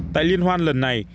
tại liên hoan lần này